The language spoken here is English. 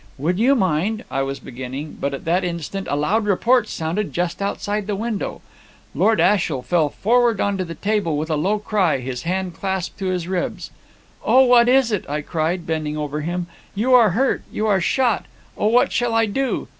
"'Would you mind,' I was beginning; but at that instant a loud report sounded just outside the window. Lord Ashiel fell forward on to the table with a low cry, his hand clasped to his ribs. 'Oh, what is it?' I cried, bending over him; 'you are hurt; you are shot! Oh, what shall I do!'